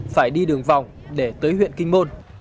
phải đi đường vòng để tới huyện kinh môn